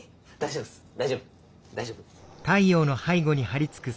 大丈夫大丈夫。